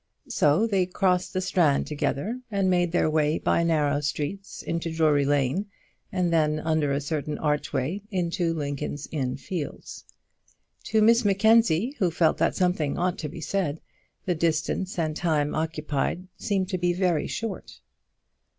So they crossed the Strand together, and made their way by narrow streets into Drury Lane, and then under a certain archway into Lincoln's Inn Fields. To Miss Mackenzie, who felt that something ought to be said, the distance and time occupied seemed to be very short.